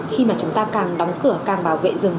khi mà chúng ta càng đóng cửa càng bảo vệ rừng